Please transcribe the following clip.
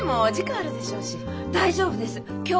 あ。